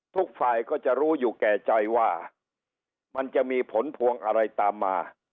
ทุกฝ่ายก็จะรู้อยู่แก่ใจว่ามันจะมีผลพวงอะไรตามมา